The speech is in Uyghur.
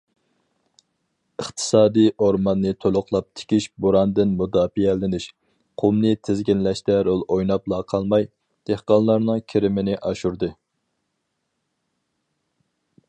ئىقتىسادىي ئورماننى تولۇقلاپ تىكىش بوراندىن مۇداپىئەلىنىش، قۇمنى تىزگىنلەشتە رول ئويناپلا قالماي، دېھقانلارنىڭ كىرىمىنى ئاشۇردى.